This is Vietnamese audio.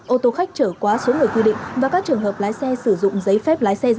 ô tô khách trở quá số người quy định và các trường hợp lái xe sử dụng giấy phép lái xe giả